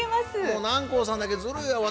もう南光さんだけずるいわ。